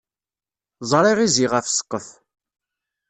Ẓriɣ izi ɣer ssqef